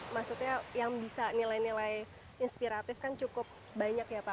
maksudnya yang bisa nilai nilai inspiratif kan cukup banyak ya pak